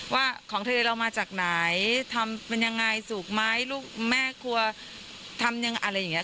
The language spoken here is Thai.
ว่าของทะเลเรามาจากไหนทำเป็นยังไงสุกไหมลูกแม่ครัวทำยังไงอะไรอย่างนี้